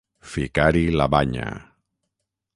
Ficar-hi la banya.